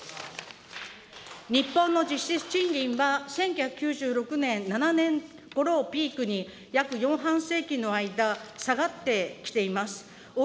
日本の実質賃金は１９９６年、７年ごろをピークに、約四半世紀の間、下がってきています。